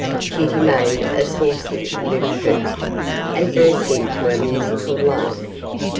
Kitty made a saucy little curtsey, and burst into a musical laugh.